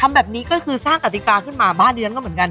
แบบนี้ก็คือสร้างกติกาขึ้นมาบ้านเรียนก็เหมือนกัน